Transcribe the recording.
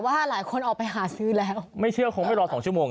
หลายคนออกไปหาซื้อแล้วไม่เชื่อคงไม่รอสองชั่วโมง